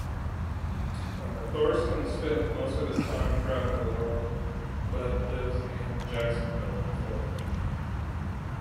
Thorsten spends most of his time traveling the world, but lives in Jacksonville, Florida.